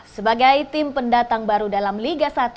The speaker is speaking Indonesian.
sebagai tim pendatang baru dalam liga satu